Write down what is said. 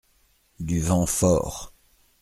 Du vent fort.